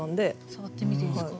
触ってみていいですか？